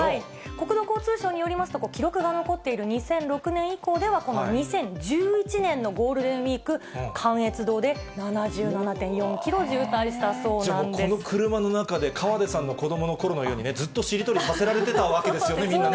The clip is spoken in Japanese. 国土交通省によりますと、記録が残っている２００６年以降では、この２０１１年のゴールデンウィーク関越道で７７．４キロ渋滞しじゃあ、もうこの車の中で、河出さんの子どものころのようにね、ずっとしりとりさせられてたそうですね。